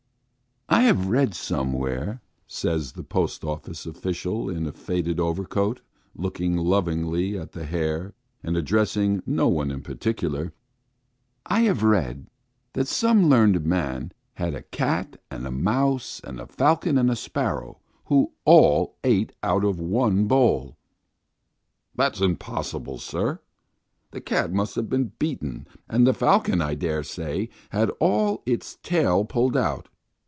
"I have read somewhere," says a post office official in a faded overcoat, looking lovingly at the hare, and addressing no one in particular, "I have read that some learned man had a cat and a mouse and a falcon and a sparrow, who all ate out of one bowl." "That's very possible, sir. The cat must have been beaten, and the falcon, I dare say, had all its tail pulled out.